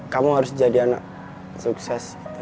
kamu harus jadi anak sukses